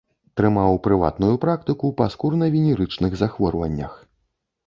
Трымаў прыватную практыку па скурна-венерычных захворваннях.